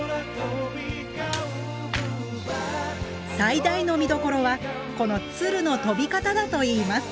最大の見どころはこの鶴の飛び方だといいます。